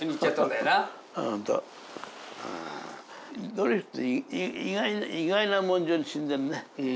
ドリフって意外な者順に死んでるね。